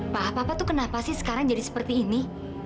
pa papa tuh kenapa sih sekarang jadi seperti ini